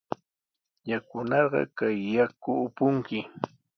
Yanunarqa kay yaku upunki.